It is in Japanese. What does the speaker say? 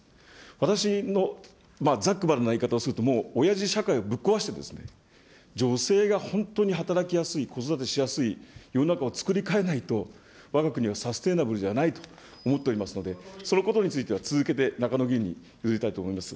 私の、ざっくばらんな言い方をすると、もうおやじ社会をぶっ壊してですね、女性が本当に働きやすい、子育てしやすい世の中を作り変えないと、わが国はサステナブルではないと思っておりますので、そのことについては、続けて中野議員に譲りたいと思います。